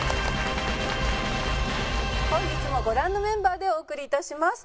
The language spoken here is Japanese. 本日もご覧のメンバーでお送り致します。